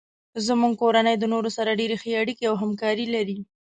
زمونږ کورنۍ د نورو سره ډیرې ښې اړیکې او همکاري لري